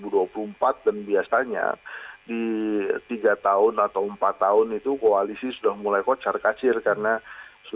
dan biasanya di tiga tahun atau empat tahun itu koalisi sudah mulai kocar kacau